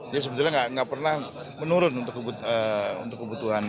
jadi sebenarnya tidak pernah menurun untuk kebutuhan